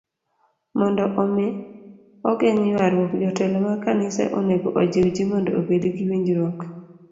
Mondo omi ogeng' ywaruok, jotelo mag kanise onego ojiw ji mondo obed gi winjruok.